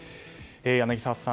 柳澤さん。